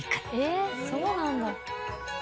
えそうなんだ。